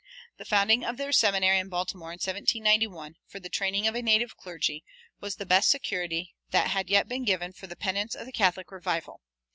The founding of their seminary in Baltimore in 1791, for the training of a native clergy, was the best security that had yet been given for the permanence of the Catholic revival.